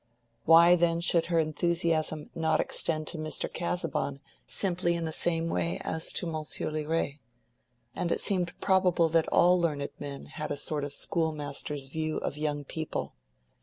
Why then should her enthusiasm not extend to Mr. Casaubon simply in the same way as to Monsieur Liret? And it seemed probable that all learned men had a sort of schoolmaster's view of young people.